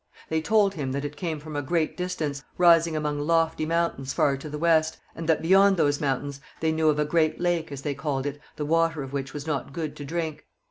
They told him that it came from a great distance, rising among lofty mountains far to the west, and that beyond those mountains they knew of a great lake, as they called it, the water of which was not good to drink.